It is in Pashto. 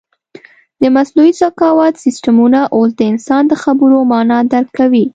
د مصنوعي ذکاوت سیسټمونه اوس د انسان د خبرو مانا درک کوي.